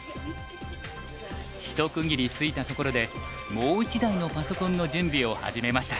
ひと区切りついたところでもう一台のパソコンの準備を始めました。